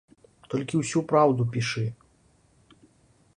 Толькі ўсю праўду пішы.